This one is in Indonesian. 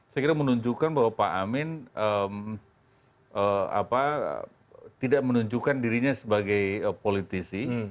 saya kira menunjukkan bahwa pak amin tidak menunjukkan dirinya sebagai politisi